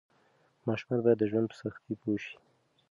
ماشومان باید د ژوند په سختۍ پوه شي.